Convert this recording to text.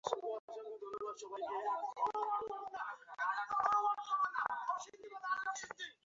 সমুদ্রে পড়িলে লোকে যেভাবে কাষ্ঠখণ্ড অবলম্বন করে আমি বালক ধ্রুবকে সেইভাবে অবলম্বন করিতেছি।